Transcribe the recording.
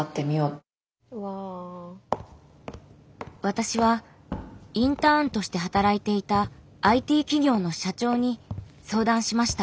私はインターンとして働いていたＩＴ企業の社長に相談しました。